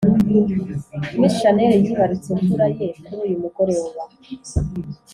Miss channel yibarutse imfura ye kuruyu mugoroba